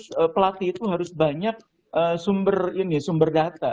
karena pelatih itu harus banyak sumber ini sumber data